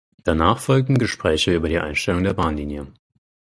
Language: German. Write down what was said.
Danach folgten Gespräche über die Einstellung der Bahnlinie.